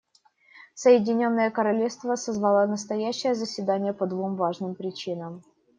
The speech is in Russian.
Соединенное Королевство созвало настоящее заседание по двум важным причинам.